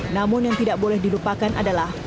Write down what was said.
namun yang tidak boleh dilupakan adalah